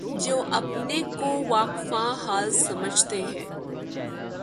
جو اپنے آپ کو واقفان حال سمجھتے ہیں۔